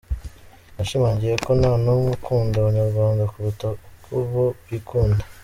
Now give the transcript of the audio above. Yashimangiye ko nta n’umwe ukunda Abanyarwanda kuruta uko bo bikunda.